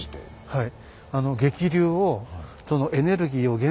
はい。